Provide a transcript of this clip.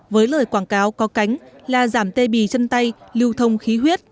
với lời quảng cáo có cánh là giảm tê bì chân tay lưu thông khí huyết